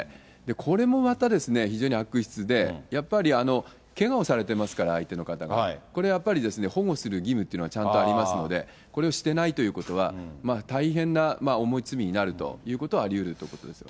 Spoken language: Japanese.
これもまた非常に悪質で、やっぱりけがをされてますから、相手の方が。これはやっぱりですね、保護する義務っていうのがちゃんとありますので、これをしてないということは、大変な重い罪になるということは、ありうるということですよね。